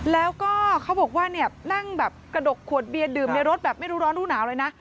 แล้วก็เขาบอกว่าเนี่ยนั่งแบบกระดกขวดเบียร์ดื่มในรถแบบไม่รู้ร้อนรู้หนาวเลยนะ